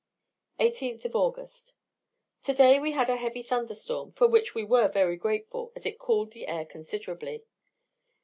18th August. Today we had a heavy thunder storm, for which we were very grateful, as it cooled the air considerably.